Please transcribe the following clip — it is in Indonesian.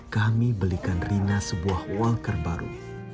kami belikan rina sebuah walker baru